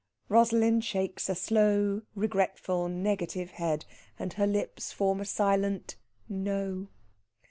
Rosalind shakes a slow, regretful, negative head, and her lips form a silent "No!"